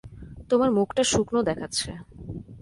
তোমার মুখটা শুকনো দেখাচ্ছে।